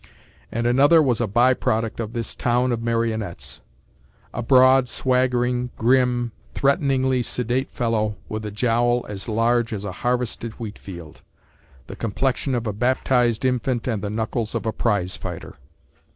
And another was a by product of this town of marionettes—a broad, swaggering, grim, threateningly sedate fellow, with a jowl as large as a harvested wheat field, the complexion of a baptized infant and the knuckles of a prize fighter.